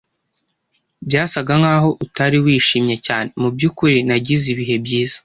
"Byasaga nkaho utari wishimye cyane." "Mubyukuri, nagize ibihe byiza."